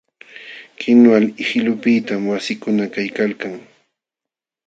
Kinwal qilupiqtam wasikuna kaykalkan.